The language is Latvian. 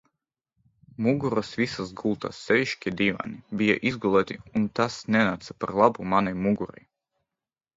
Muguros visas gultas, sevišķi dīvāni, bija izgulēti un tas nenāca par labu manai mugurai.